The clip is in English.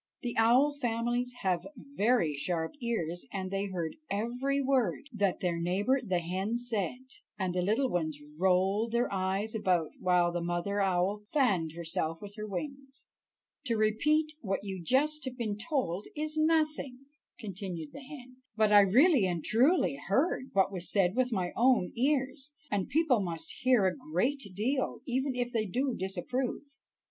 The owl families have very sharp ears, and they heard every word that their neighbor the hen said, and the little ones rolled their eyes about while the mother owl fanned herself with her wings. "To repeat just what you have been told is nothing," continued the hen, "but I really and truly heard what was said with my own ears, and people must hear a great deal, even if they do disapprove.